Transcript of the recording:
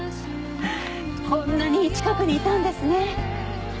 こんなに近くにいたんですね。